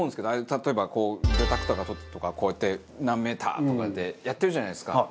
例えばこう魚拓とか取ったりとかこうやって何メーターとかってやってるじゃないですか。